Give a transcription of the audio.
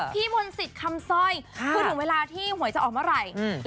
พี่มณศิษย์คำซ่อยก็ถึงเวลาที่หวยจะออกเมื่อไหร่